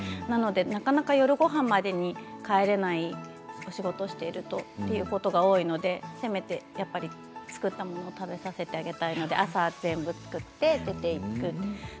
なかなか夜ごはんまでに帰れない仕事をしているとということが多いのでせめてやっぱり作ったものを食べさせてあげたいので朝、全部作って出ていく。